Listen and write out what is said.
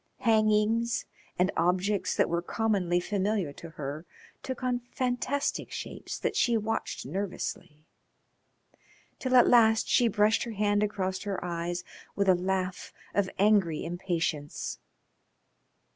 Hangings and objects that were commonly familiar to her took on fantastic shapes that she watched nervously, till at last she brushed her hand across her eyes with a laugh of angry impatience.